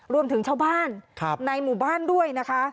รวมถึงชาวบ้านในหมู่บ้านด้วยนะคะ